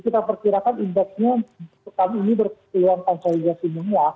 kita persirakan indeksnya petang ini berkecilan konsolidasi semua